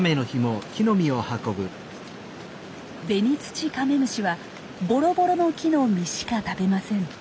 ベニツチカメムシはボロボロノキの実しか食べません。